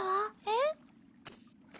えっ？